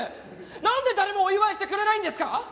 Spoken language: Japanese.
なんで誰もお祝いしてくれないんですか？